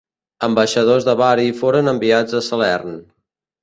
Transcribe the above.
Ambaixadors de Bari foren enviats a Salern.